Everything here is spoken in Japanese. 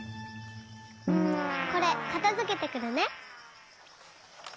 これかたづけてくるね。